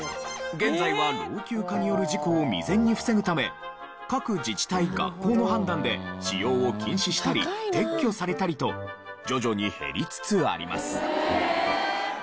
現在は老朽化による事故を未然に防ぐため各自治体・学校の判断で使用を禁止したり撤去されたりと徐々に減りつつあります。